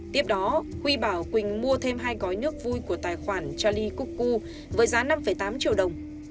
tiếp đó huy bảo quỳnh mua thêm hai gói nước vui của tài khoản charlie cuckoo với giá năm tám triệu đồng